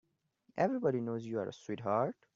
Everybody knows you're a sweetheart.